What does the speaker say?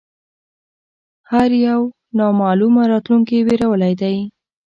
هر یو نامعلومه راتلونکې وېرولی دی